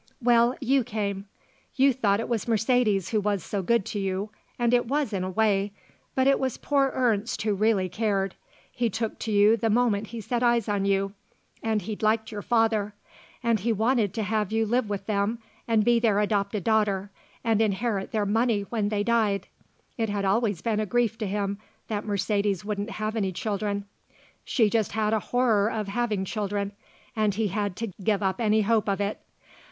"Well, you came. You thought it was Mercedes who was so good to you, and it was in a way. But it was poor Ernst who really cared. He took to you the moment he set eyes on you, and he'd liked your father. And he wanted to have you to live with them and be their adopted daughter and inherit their money when they died. It had always been a grief to him that Mercedes wouldn't have any children. She just had a horror of having children, and he had to give up any hope of it.